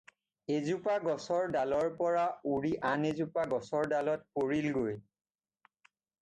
এজোপা গছৰ ডালৰ পৰা উৰি আন এজোপা গছৰ ডালত পৰিলগৈ।